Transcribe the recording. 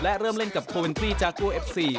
และเริ่มเล่นกับโคเวนตี้จากตัวเอฟซี